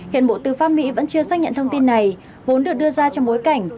hiện bộ tư pháp mỹ vẫn chưa xác nhận thông tin này vốn được đưa ra trong bối cảnh